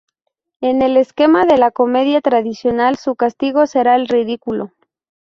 En el esquema de la comedia tradicional su castigo será el ridículo.